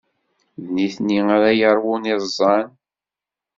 D nitni ara yeṛwun iẓẓan.